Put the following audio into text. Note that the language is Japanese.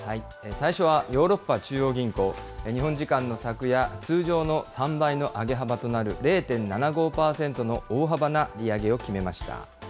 最初はヨーロッパ中央銀行、日本時間の昨夜、通常の３倍の上げ幅となる０．７５％の大幅な利上げを決めました。